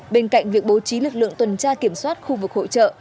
bên cạnh việc bố trí lực lượng tuần tra kiểm soát khu vực hội trợ